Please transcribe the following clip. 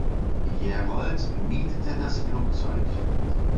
Jerrold mietete das Flugzeug.